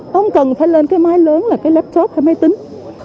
không cần phải lên cái máy lớn là cái laptop hay máy tính